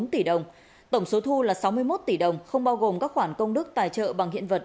năm mươi bốn bốn tỷ đồng tổng số thu là sáu mươi một tỷ đồng không bao gồm các khoản công đức tài trợ bằng hiện vật